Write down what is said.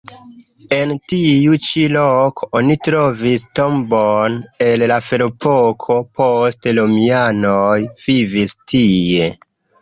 En tiu ĉi loko oni trovis tombon el la ferepoko, poste romianoj vivis tie.